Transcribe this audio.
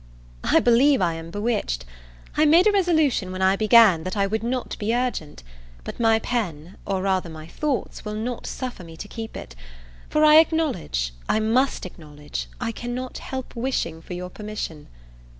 I believe I am bewitched! I made a resolution, when I began, that I would not be urgent; but my pen or rather my thoughts, will not suffer me to keep it for I acknowledge, I must acknowledge, I cannot help wishing for your permission.